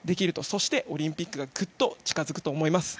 そしてオリンピックがぐっと近づくと思います。